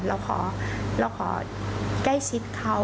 เราขอใกล้ชิดเขา